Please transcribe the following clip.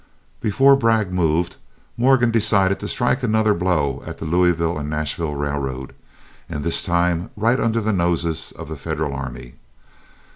Before Bragg moved, Morgan decided to strike another blow at the Louisville and Nashville Railroad, and this time right under the noses of the Federal army.